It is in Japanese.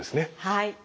はい。